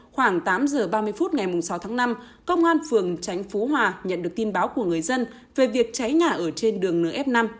khoảng tám giờ ba mươi phút ngày sáu tháng năm công an phường tránh phú hòa nhận được tin báo của người dân về việc cháy nhà ở trên đường nf năm